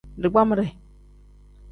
Digbamire.